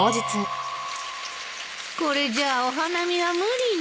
これじゃお花見は無理ね。